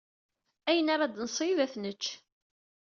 Ayen ara d-nṣeyyed, ad t-nečč.